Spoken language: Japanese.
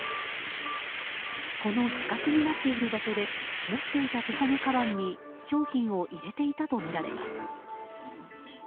この死角になっている場所で持っていた手提げかばんに商品を入れていたとみられます。